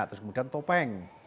terus kemudian topeng